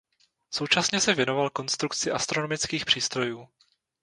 Současně se věnoval konstrukci astronomických přístrojů.